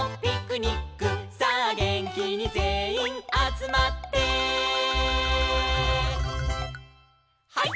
「さあげんきにぜんいんあつまって」「ハイ！